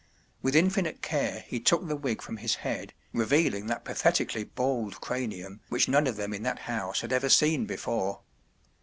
With infinite care he took the wig from his head, revealing that patheti¬ cally bald cranium which none of them in that house had ever seen before.